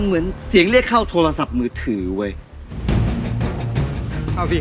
เฮ้ยพวกเราเจอกับแมวไว้วะ